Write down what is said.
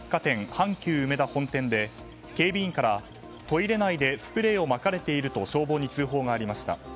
阪急梅田本店で警備員からトイレ内からスプレーをまかれていると消防に通報がありました。